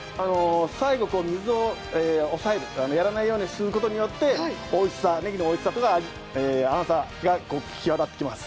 最後、水を抑えるやらないようにすることによってねぎのおいしさ、甘さが際立ってきます。